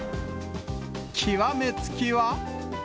極め付きは。